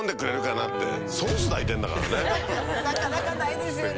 なかなかないですよね。